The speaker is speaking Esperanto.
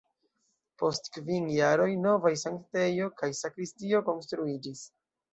Post kvin jaroj novaj sanktejo kaj sakristio konstruiĝis.